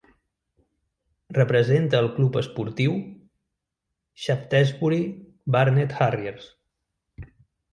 Representa el club esportiu Shaftesbury Barnet Harriers.